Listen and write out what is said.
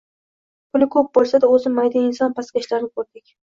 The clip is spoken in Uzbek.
Puli ko‘p bo‘lsa-da, o‘zi «mayda» inson pastkashlarni ko‘rdik.